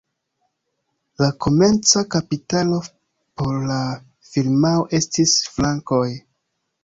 La komenca kapitalo por la firmao estis frankoj.